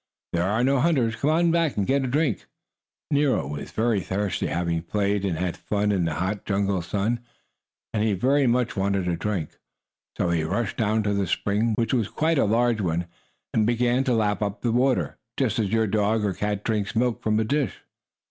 "There are no hunters! Come on and get a drink." Nero was very thirsty, after having played and had fun in the hot jungle sun, and he very much wanted a drink. So he rushed down to the spring, which was quite a large one, and began to lap up the water, just as your dog or cat drinks milk from a dish.